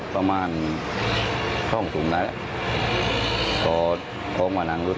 พอวิงไว้ตามกลางบ้านร่างนี้